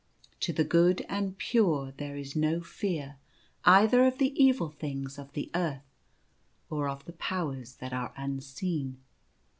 To the good and pure there is no fear either of the evil things of the earth or of the Powers that are unseen.